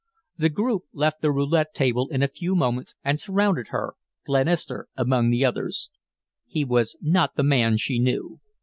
The group left the roulette table in a few moments and surrounded her, Glenister among the others. He was not the man she knew.